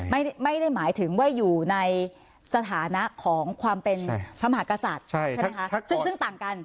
ไม่ได้หมายถึงว่าอยู่ในสถานะของความเป็นพระมหากษัตริย์ใช่ไหมคะซึ่งต่างกัน